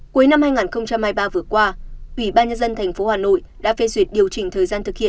cuối năm hai nghìn hai mươi ba vừa qua ủy ban nhân dân tp hà nội đã phê duyệt điều chỉnh thời gian thực hiện